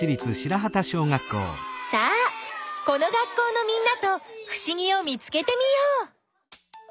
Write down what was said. さあこの学校のみんなとふしぎを見つけてみよう。